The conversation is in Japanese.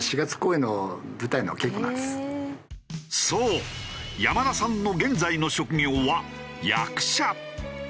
そう山田さんの現在の職業は役者。